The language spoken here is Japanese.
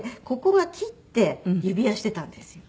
ここを切って指輪してたんです。